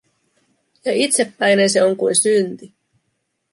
Ja itsepäinen se on kuin synti.